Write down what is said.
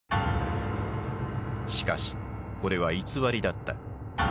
しかしこれは偽りだった。